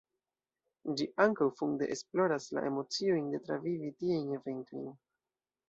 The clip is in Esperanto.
Ĝi ankaŭ funde esploras la emociojn de travivi tiajn eventojn.